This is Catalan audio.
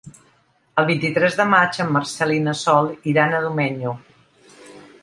El vint-i-tres de maig en Marcel i na Sol iran a Domenyo.